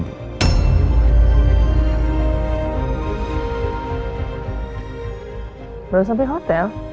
belum sampai hotel